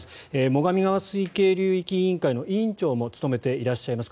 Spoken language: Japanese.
最上川水系流域委員会の委員長も務めていらっしゃいます。